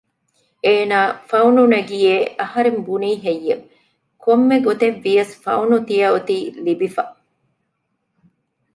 އޭނާ ފައުނު ނެގިއޭ އަހަރެން ބުނީހެއްޔެވެ؟ ކޮންމެ ގޮތެއްވިޔަސް ފައުނު ތިޔައޮތީ ލިބިފަ